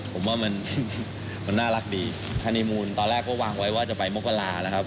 ผมว่ามันน่ารักดีฮานีมูลตอนแรกก็วางไว้ว่าจะไปมกรานะครับ